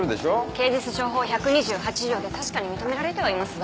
刑事訴訟法１２８条で確かに認められてはいますが。